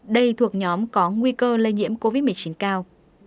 đây thuộc nhóm có nguy cơ lây nhiễm covid một mươi chín cao